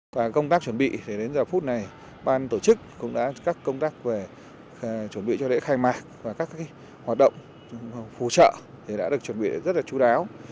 qua công tác chuẩn bị đến giờ phút này ban tổ chức cũng đã các công tác về chuẩn bị cho lễ khai mạc và các hoạt động phù trợ đã được chuẩn bị rất là chú đáo